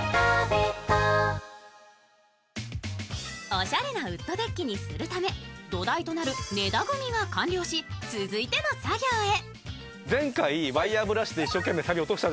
おしゃれなウッドデッキにするため土台となる根太組みが完了し、続いての作業へ。